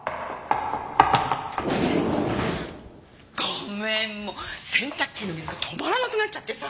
ごめん洗濯機の水が止まらなくなっちゃってさ。